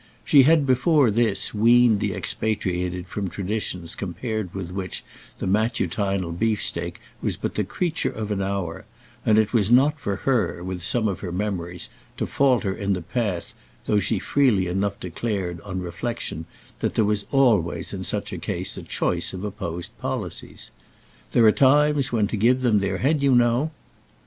She had before this weaned the expatriated from traditions compared with which the matutinal beefsteak was but the creature of an hour, and it was not for her, with some of her memories, to falter in the path though she freely enough declared, on reflexion, that there was always in such cases a choice of opposed policies. "There are times when to give them their head, you know—!"